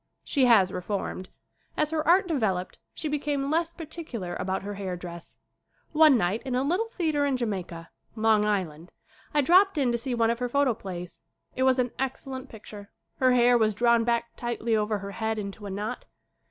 She has reformed. As her art developed she became less particular about her hair dress. One night in a little theater in Jamaica, Long Island, I dropped in to see one of her photo plays. It was an excellent picture. Her hair was drawn back tightly over her head into a knot.